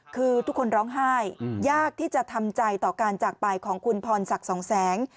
คือทุกคนร้องไห้ยากที่จะทำใจต่อการจากไปของคุณพรศักดิ์สองแสง